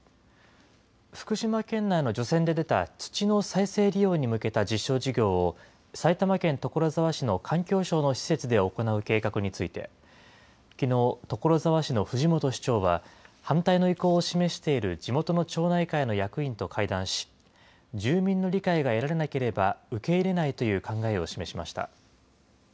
福島県内の除染で出た土の再生利用に向けた実証事業を、埼玉県所沢市の環境省の施設で行う計画について、きのう、所沢市の藤本市長は、反対の意向を示している地元の町内会の役員と会談し、住民の理解が得られなければ、受け入れないという考えを示しました。